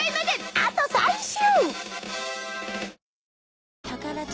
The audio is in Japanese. あと３週！